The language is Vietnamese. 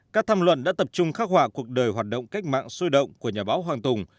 các tham luận đã tập trung khắc họa cuộc đời hoạt động cách mạng sôi động của nhà báo hoàng tùng